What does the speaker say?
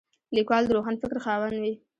لیکوال د روښان فکر خاوند وي.